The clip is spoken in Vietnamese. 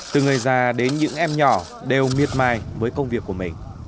từ người già đến những em nhỏ đều miệt mài với công việc của mình